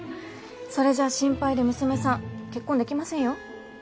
それじゃあ心配で娘さん結婚できませんよ